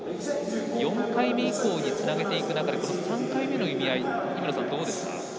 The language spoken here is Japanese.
４回目以降につなげていく中で３回目の意味合いは井村さん、どうですか？